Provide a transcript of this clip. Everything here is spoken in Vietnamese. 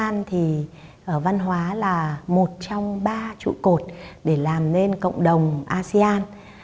asean thì văn hóa là một trong ba trụ cột để làm nên cộng đồng asean